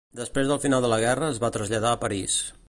Després del final de la guerra es va traslladar a París.